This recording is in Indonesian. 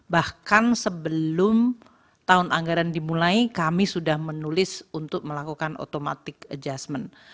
bahkan sebelum tahun anggaran dimulai kami sudah menulis untuk melakukan automatic adjustment